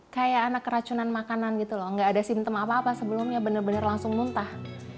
kayak anak keracunan makanan gitu loh nggak ada simptom apa apa sebelumnya benar benar langsung muntah